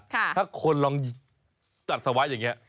ถ้าคนลองจัดสวัสดิ์อย่างเงี้ย